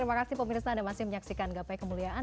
terima kasih pemirsa anda masih menyaksikan gapai kemuliaan